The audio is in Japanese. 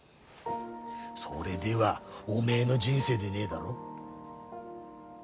それではおめえの人生でねえだろ？